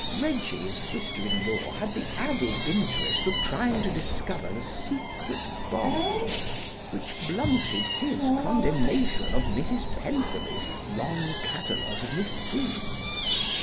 Reggie's sister in law had the added interest of trying to discover the secret bond which blunted his condemnation of Mrs. Pentherby's long catalogue of misdeeds.